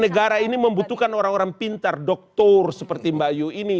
negara ini membutuhkan orang orang pintar doktor seperti mbak ayu ini